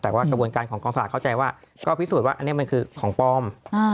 แต่ว่ากระบวนการของกองสลากเข้าใจว่าก็พิสูจน์ว่าอันนี้มันคือของปลอม